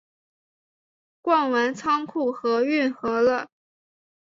逛完仓库和运河了